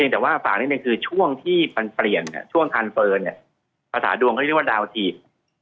แต่ฝากนี้คือช่วงทานเฟอร์ภาษาดวงเค้าเรียกว่าดาวน์สีพ